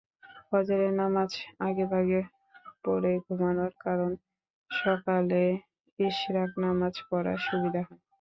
ফজরের নামাজ আগেভাগে পড়ে ঘুমানোর কারণে সকালে ইশরাক নামাজ পড়ার সুবিধা হয়।